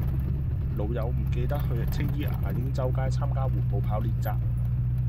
老友唔記得去青衣牙鷹洲街參加緩步跑練習